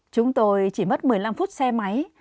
chúng tôi chỉ mất một mươi năm phút xe máy